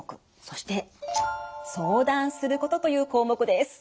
そして「相談すること」という項目です。